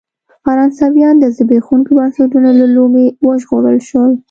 فرانسویان د زبېښونکو بنسټونو له لومې وژغورل شول.